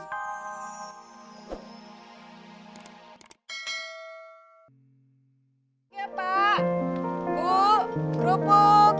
iya pak bu grup bu